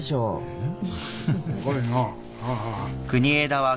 えっ？